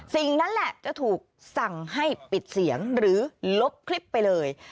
สิ่งนั้นแหละจะถูกสั่งให้ปิดเสียงหรือลบคลิปไปเลย